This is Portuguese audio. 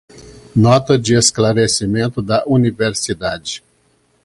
Nota de esclarecimento da universidade